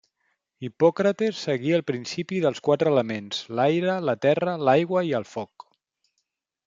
Hipòcrates seguia el principi dels quatre elements: l'aire, la terra, l'aigua i el foc.